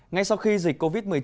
ngay sau khi dịch covid một mươi chín